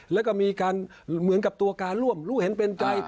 แล้วก็มีการเหมือนกับตัวการร่วมรู้เห็นเป็นใจ